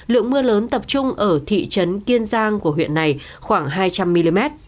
lượng mưa lớn tập trung ở thị trấn kiên giang của huyện này khoảng hai trăm linh mm